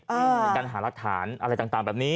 ในการหารักฐานอะไรต่างแบบนี้